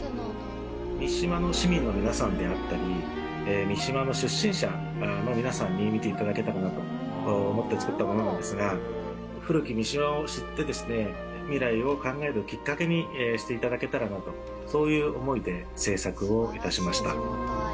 三島の市民の皆さんであったり、三島の出身者の皆さんに見ていただけたらなと思って作ったものなんですが、古き三島を知って、未来を考えるきっかけにしていただけたらなと、そういう思いで制作をいたしました。